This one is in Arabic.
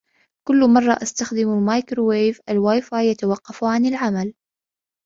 كل مرة أستخدم المايكروويف, الواي فاي يتوقف عن العمل.